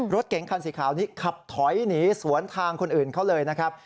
รถเก๋งคันสีขาวนี้ขับถอยหนีสวนทางคนอื่นเขาเลยนะครับ